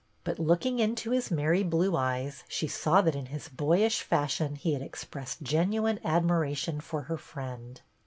But looking into his merry blue eyes she saw that in his boyish fashion he had expressed genuine admiration for her friend.